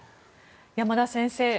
山田先生